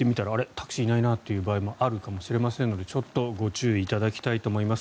タクシーいないなという場合もあるかもしれませんのでちょっとご注意いただきたいと思います。